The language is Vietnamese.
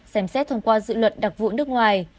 xem xét thông qua dự luật đặc vụ nước ngoài